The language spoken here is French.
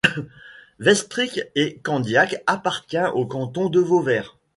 Vestric-et-Candiac appartient au canton de Vauvert.